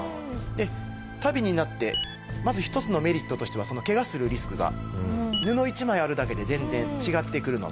足袋になってまず一つのメリットとしてはケガするリスクが布一枚あるだけで全然違ってくるのと。